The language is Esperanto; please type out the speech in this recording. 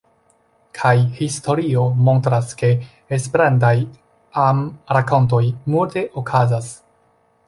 Kaj historio montras ke Esperantaj amrakontoj multe okazas.